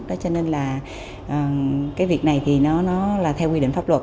đó cho nên là cái việc này thì nó là theo quy định pháp luật